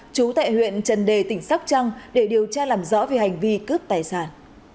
chú tại huyện trần đề tỉnh sóc trăng để điều tra làm rõ về hành vi cướp tài sản